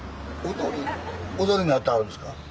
踊りもやってはるんですか？